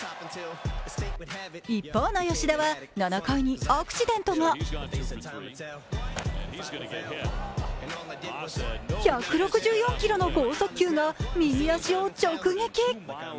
一方の吉田は７回にアクシデントが１６４キロの剛速球が右足を直撃。